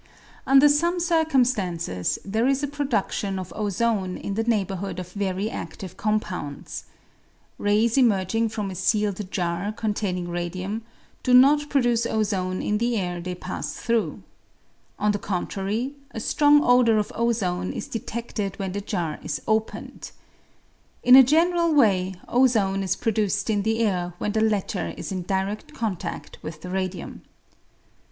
Under some circumstances there is a produdion of ozone in the neighbourhood of very adive compounds. Rays emerging from a sealed jar containing radium do not pro duce ozone in the air they pass through. On the contrary, Thesis presented to the Faculty des Sciences de Paris. a strong odour of ozone is deteded when the jar is opened. In a general way, ozone is produced in the air when the latter is in dired contad with the radium.